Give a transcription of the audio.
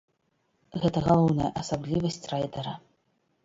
Гэта галоўная асаблівасць райдара.